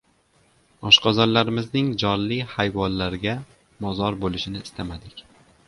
— Oshqozonlarimizning jonli hayvonlarga mozor bo‘lishini istamadik.